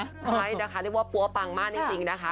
ใช่นะคะเรียกว่าปั๊วปังมากจริงนะคะ